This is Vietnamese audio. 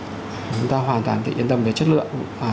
chúng ta hoàn toàn yên tâm về chất lượng